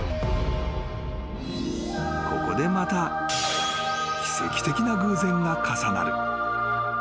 ［ここでまた奇跡的な偶然が重なる］